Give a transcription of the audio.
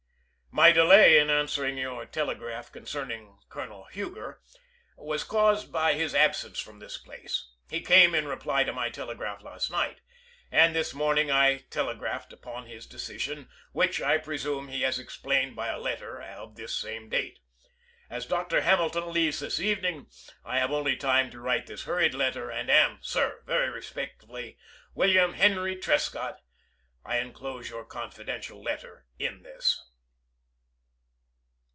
My delay in answering your telegraph concerning Colo nel Huger, was caused by his absence from this place. He came, in reply to my telegraph last night, and this morning I telegraphed upon his decision, which I pre sume he has explained by a letter of this same date. As Dr. Hamilton leaves this evening, I write this hurried letter, and am, sir, Very respectfully, Wm. Henry Trescott. I inclose your confidential letter in this.